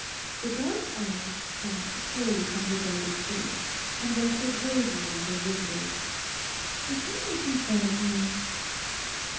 The dark eyes passed slowly from her brother's face and rested gravely on their visitor's. 'Is he making fun of me?